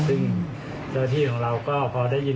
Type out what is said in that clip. ซึ่งเจ้าหน้าที่ของเราก็พอได้ยิน